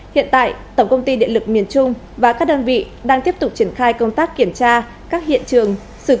hiện tại tổng công ty điện lực miền trung và các đơn vị đang tiếp tục triển khai công tác kiểm tra các hiện trường